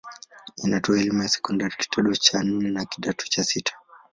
Inatoa elimu ya sekondari kidato cha nne na kidato cha sita.